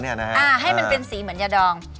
ให้มันเป็นสีเหมือนยาดอง